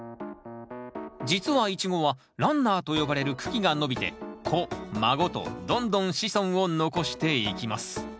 実はイチゴはランナーと呼ばれる茎が伸びて子孫とどんどん子孫を残していきます。